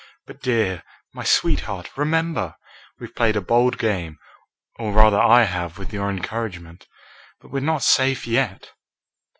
But, dear my sweetheart remember! We've played a bold game, or rather I have with your encouragement, but we're not safe yet."